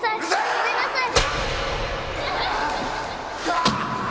ごめんなさい！